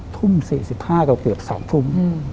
ทุ่ม๔๕ก็เกือบ๓ทุ่ม